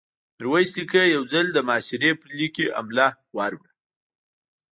ميرويس نيکه يو ځل د محاصرې پر ليکې حمله ور وړه.